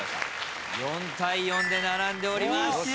４対４で並んでおります。